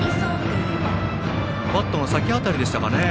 バットの先辺りでしたかね。